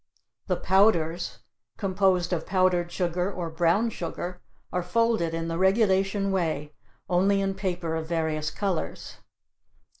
The powders, composed of powdered sugar or brown sugar are folded in the regulation way, only in paper of various colors.